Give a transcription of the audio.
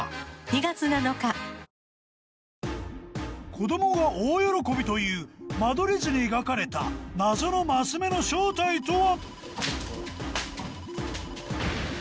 子どもが大喜びという間取り図に描かれた謎のマス目の正体とは？